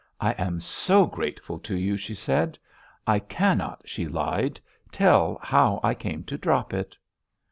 "I am so grateful to you," she said. "I cannot," she lied, "tell how I came to drop it!"